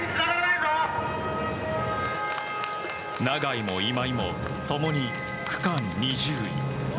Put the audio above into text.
永井も今井も、共に区間２０位。